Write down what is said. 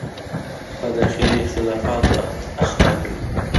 په داخلي اختلافاتو اخته کړي.